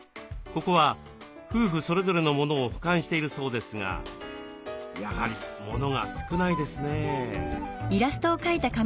ここは夫婦それぞれのモノを保管しているそうですがやはりモノが少ないですね。